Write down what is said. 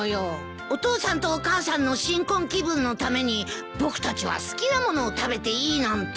お父さんとお母さんの新婚気分のために僕たちは好きな物を食べていいなんて。